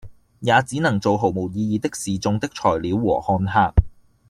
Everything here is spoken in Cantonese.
也只能做毫無意義的示衆的材料和看客，